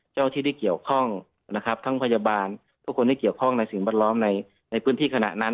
เจ้าที่ที่เกี่ยวข้องนะครับทั้งพยาบาลทุกคนที่เกี่ยวข้องในสิ่งแวดล้อมในพื้นที่ขณะนั้น